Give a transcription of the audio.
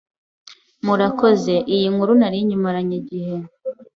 Murakoze, iyi nkuru nari nyimaranye igihe